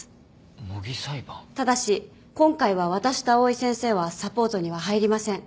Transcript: ただし今回は私と藍井先生はサポートには入りません。